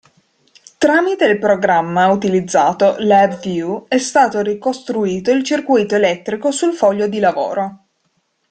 Tramite il programma utilizzato (LabVIEW) è stato ricostruito il circuito elettrico sul foglio di lavoro.